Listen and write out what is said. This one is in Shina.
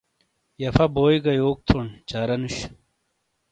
یَفہ بوئی گہ یوک تھونڈ۔ چارہ نُوش۔